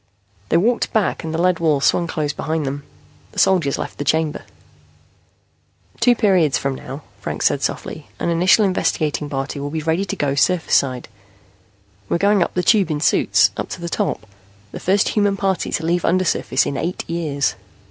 They walked back and the lead wall swung closed behind them. The soldiers left the chamber. "Two periods from now," Franks said softly, "an initial investigating party will be ready to go surface side. We're going up the Tube in suits, up to the top the first human party to leave undersurface in eight years."